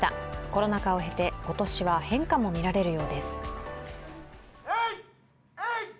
コロナ禍を経て今年は変化もみられるようです。